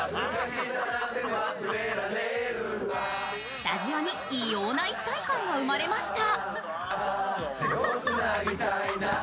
スタジオに異様な一体感が生まれました。